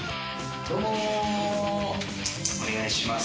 どうもお願いします。